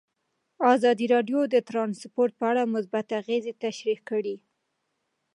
ازادي راډیو د ترانسپورټ په اړه مثبت اغېزې تشریح کړي.